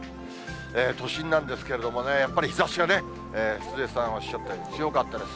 都心なんですけれどもね、やっぱり日ざしがね、鈴江さんおっしゃったように強かったです。